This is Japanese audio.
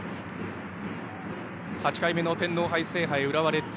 ８回目の天皇杯制覇へ浦和レッズ。